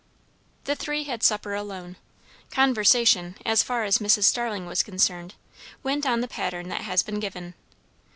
The three had supper alone. Conversation, as far as Mrs. Starling was concerned, went on the pattern that has been given.